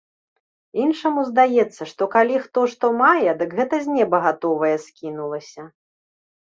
Іншаму здаецца, што калі хто што мае, дык гэта з неба гатовае скінулася.